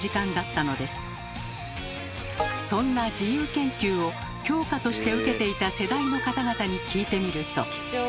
そんな自由研究を教科として受けていた世代の方々に聞いてみると。